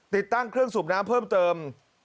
ติดตั้งเครื่องสูบน้ำเพิ่มเติม